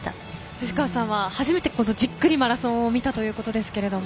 藤川さんは初めてじっくりマラソンを見たということですが。